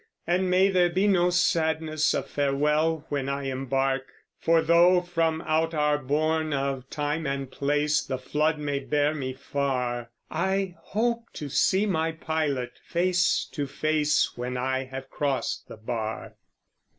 And may there be no sadness of farewell, When I embark; For tho' from out our bourne of Time and Place The flood may bear me far, I hope to see my Pilot face to face When I have crost the bar.